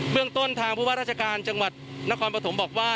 เรื่องต้นทางผู้ว่าราชการจังหวัดนครปฐมบอกว่า